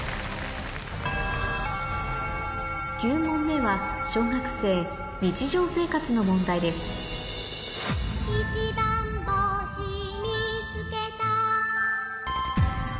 ９問目は小学生の問題です